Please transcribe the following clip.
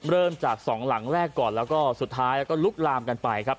เริ่มจากสองหลังแรกก่อนแล้วก็สุดท้ายแล้วก็ลุกลามกันไปครับ